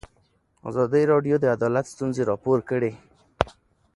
ازادي راډیو د عدالت ستونزې راپور کړي.